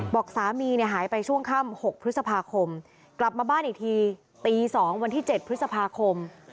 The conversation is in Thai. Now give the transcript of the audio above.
บอกสามีเนี่ยหายไปช่วงค่ำ๖พฤษภาคมกลับมาบ้านอีกทีตี๒วันที่๗พฤษภาคม